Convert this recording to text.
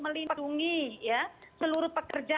melindungi ya seluruh pekerja